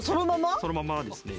そのままですね。